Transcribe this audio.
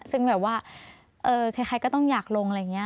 ซึ่งแบบว่าใครก็ต้องอยากลงอะไรอย่างนี้